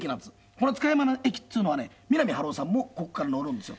この塚山の駅っていうのはね三波春夫さんもここから乗るんですよ